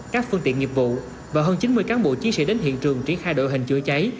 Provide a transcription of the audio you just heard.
các phương tiện nghiệp vụ và hơn chín mươi cán bộ chiến sĩ đến hiện trường triển khai đội hình chữa cháy